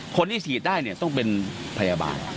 คนที่ฉีดได้เนี่ยต้องเป็นพยาบาล